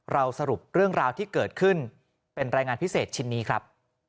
สรุปเรื่องราวที่เกิดขึ้นเป็นรายงานพิเศษชิ้นนี้ครับ